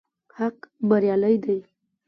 حق بريالی دی